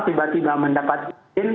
tiba tiba mendapat izin